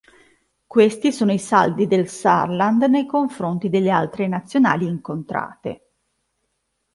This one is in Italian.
Questi sono i saldi del Saarland nei confronti delle altre Nazionali incontrate.